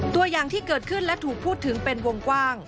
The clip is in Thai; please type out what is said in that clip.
ตัวอย่างที่เกิดขึ้นและถูกพูดถึงเป็นวงกว้าง